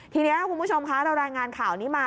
ทีนี้คุณผู้ชมคะเรารายงานข่าวนี้มา